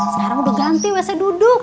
sekarang udah ganti whatsap duduk